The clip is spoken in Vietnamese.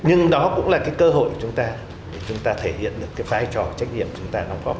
nhưng đó cũng là cái cơ hội chúng ta để chúng ta thể hiện được cái vai trò trách nhiệm chúng ta đóng góp